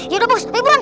yaudah bos liburin